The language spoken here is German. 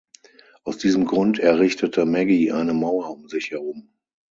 Aus diesem Grund errichtete Maggie eine Mauer um sich herum.